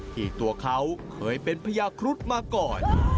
ตัวเขาเคยเป็นพญาครุฑมาก่อน